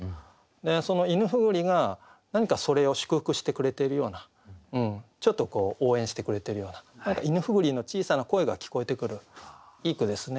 そのいぬふぐりが何かそれを祝福してくれているようなちょっと応援してくれてるような何かいぬふぐりの小さな声が聞こえてくるいい句ですね。